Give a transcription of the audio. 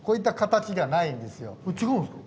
違うんですか？